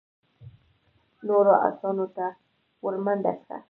نورو آسونو ته ور منډه کړه.